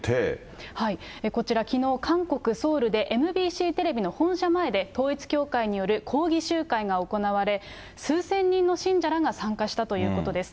こちら、きのう韓国・ソウルでＭＢＣテレビの本社前で統一教会による抗議集会が行われ、数千人の信者らが参加したということです。